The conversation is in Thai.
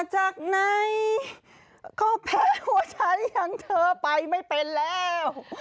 แต่จากไหนก็แพ้หัวชายอย่างเธอไปไม่เป็นแล้ว